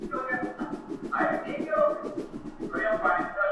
تندي ته مي سجدې راځي چي یاد کړمه جانان،